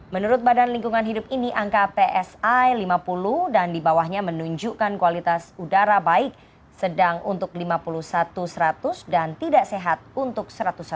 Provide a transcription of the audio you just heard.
menurut badan lingkungan hidup ini angka psi lima puluh dan di bawahnya menunjukkan kualitas udara baik sedang untuk lima puluh satu seratus dan tidak sehat untuk satu ratus enam puluh